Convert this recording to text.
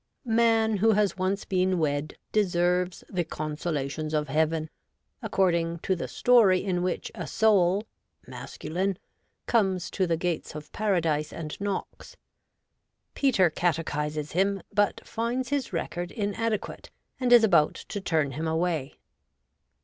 Man who has once been wed deserves the con solations of heaven, according to the story in which a soul (masculine) comes to the gates of Paradise and knocks. Peter catechises him, but finds his record inadequate, and is about to turn him av,'ay.